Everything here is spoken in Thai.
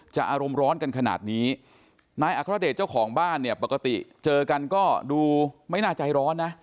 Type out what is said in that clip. อารมณ์ร้อนกันขนาดนี้นายอัครเดชเจ้าของบ้านเนี่ยปกติเจอกันก็ดูไม่น่าใจร้อนนะ